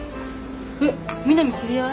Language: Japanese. えっ南知り合い？